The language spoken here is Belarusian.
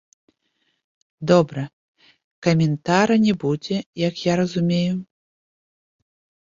Добра, каментара не будзе, як я разумею?